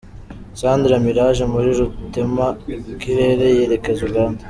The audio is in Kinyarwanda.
Sandra Miraj muri rutema ikirere yerekeza Uganda.